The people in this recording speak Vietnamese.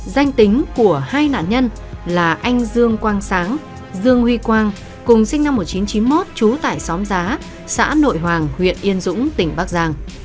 danh tính của hai nạn nhân là anh dương quang sáng dương huy quang cùng sinh năm một nghìn chín trăm chín mươi một trú tải xóm giá xã nội hoàng huyện yên dũng tỉnh bắc giang